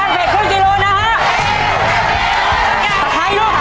สะไพรลูกค่ะหันอีก